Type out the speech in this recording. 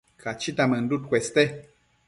Cachita mënduc cueste